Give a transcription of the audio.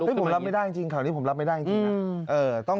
ผมรับไม่ได้จริงข่าวนี้ผมรับไม่ได้จริงนะ